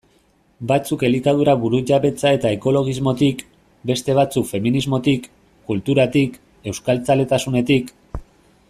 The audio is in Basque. Batzuk elikadura burujabetza eta ekologismotik, beste batzuk feminismotik, kulturatik, euskaltzaletasunetik...